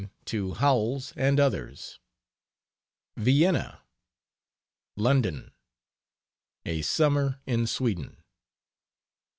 LETTERS, 1899, TO HOWELLS AND OTHERS. VIENNA. LONDON. A SUMMER IN SWEDEN.